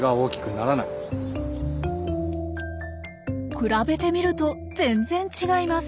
比べてみると全然違います。